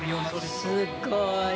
すごい！